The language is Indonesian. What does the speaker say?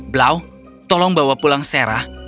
blau tolong bawa pulang serah